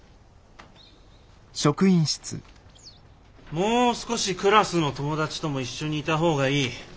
もう少しクラスの友達とも一緒にいた方がいい。